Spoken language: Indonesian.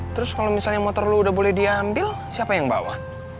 terus kalau misalnya motor lo udah boleh diambil siapa yang bawa